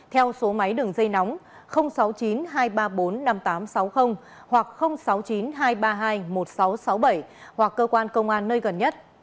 theo số máy đường dây nóng sáu mươi chín hai trăm ba mươi bốn năm nghìn tám trăm sáu mươi hoặc sáu mươi chín hai trăm ba mươi hai một nghìn sáu trăm sáu mươi bảy hoặc cơ quan công an nơi gần nhất